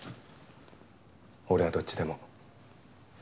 俺はどっちでも。